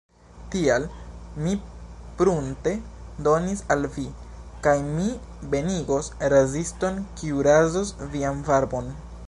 Tial, mi prunte donis al vi, kaj mi venigos raziston kiu razos vian barbon.